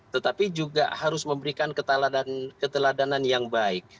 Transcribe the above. tetapi juga harus memberikan keteladanan yang baik